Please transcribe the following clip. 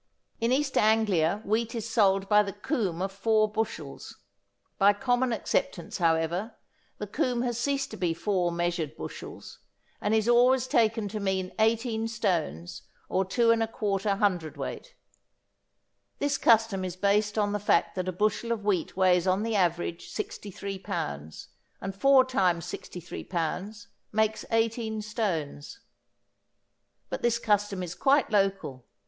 In East Anglia wheat is sold by the coomb of four bushels. By common acceptance however the coomb has ceased to be four measured bushels, and is always taken to mean 18 stones or 2¼ cwt. This custom is based on the fact that a bushel of wheat weighs on the average 63 pounds, and four times 63 pounds makes 18 stones. But this custom is quite local.